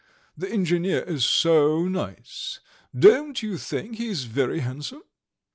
The engineer is so nice! Don't you think he is very handsome?"